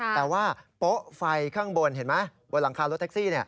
แต่ว่าโป๊ะไฟข้างบนเห็นไหมบนหลังคารถแท็กซี่